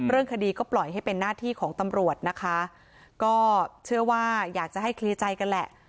เรื่องคดีก็ปล่อยให้เป็นหน้าที่ของตำรวจนะคะก็เชื่อว่าอยากจะให้เคลียร์ใจกันแหละ